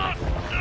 あ！